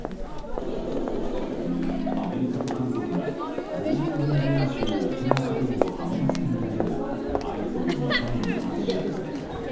アメリカと韓国が合同軍事演習を行うことへの反発とみられる相次ぐミサイル発射。